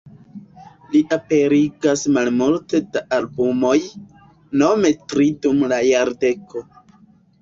Li aperigas malmulte da albumoj, nome tri dum la jardeko.